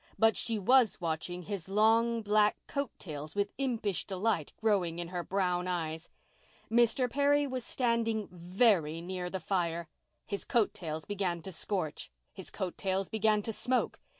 But she was watching his long black coat tails with impish delight growing in her brown eyes. Mr. Perry was standing very near the fire. His coat tails began to scorch—his coat tails began to smoke.